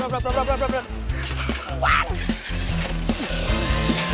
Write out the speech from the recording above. berat berat berat